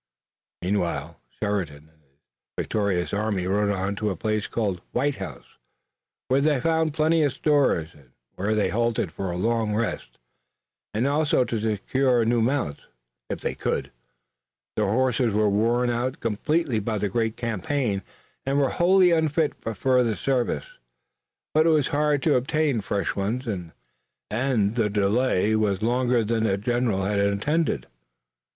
Meanwhile Sheridan and his victorious army rode on to a place called White House, where they found plenty of stores, and where they halted for a long rest, and also to secure new mounts, if they could. Their horses were worn out completely by the great campaign and were wholly unfit for further service. But it was hard to obtain fresh ones and the delay was longer than the general had intended.